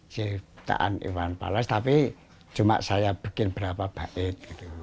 ciptaan iwan pales tapi cuma saya bikin berapa baik